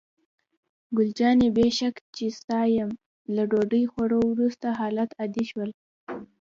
ګل جانې: بې شک چې ستا یم، له ډوډۍ خوړو وروسته حالات عادي شول.